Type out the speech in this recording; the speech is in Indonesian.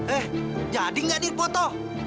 eh jadi nggak nih foto